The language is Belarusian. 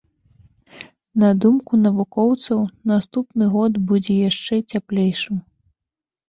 На думку навукоўцаў, наступны год будзе яшчэ цяплейшым.